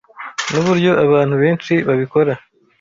Nuburyo abantu benshi babikora.